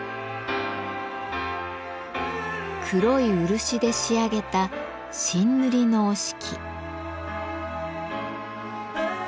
黒い漆で仕上げた真塗の折敷。